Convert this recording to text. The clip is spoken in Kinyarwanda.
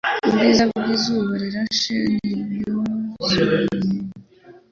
Ubwiza bwizuba rirashe ntibyasobanuwe.